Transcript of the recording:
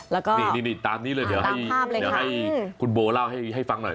แล้วก็นี่ตามนี้เลยเดี๋ยวให้คุณโบเล่าให้ฟังหน่อย